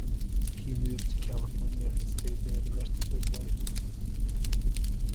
He moved to California and stayed there the rest of his life.